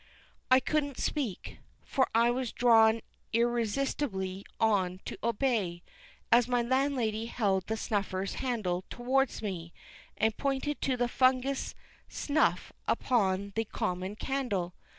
I couldn't speak, for I was drawn irresistibly on to obey, as my landlady held the snuffers handle towards me, and pointed to the fungus snuff upon the common candle.